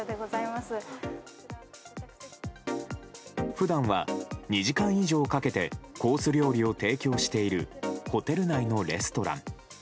普段は２時間以上かけてコース料理を提供しているホテル内のレストラン。